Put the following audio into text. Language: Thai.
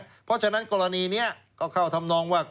เพราะฉะนั้นกรณีนี้ก็เข้าทำนองว่า